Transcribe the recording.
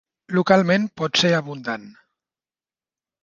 Localment pot ser abundant.